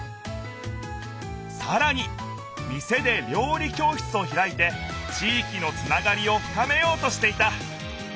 さらに店で料理教室をひらいて地いきのつながりをふかめようとしていた。